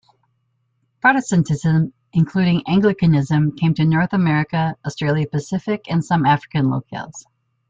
Protestantism, including Anglicanism, came to North America, Australia-Pacific and some African locales.